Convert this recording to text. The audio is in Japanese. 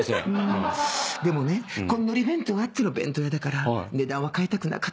でもねこののり弁当あっての弁当屋だから値段は変えたくなかったの。